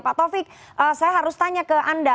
pak taufik saya harus tanya ke anda